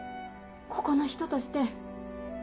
ここの人として。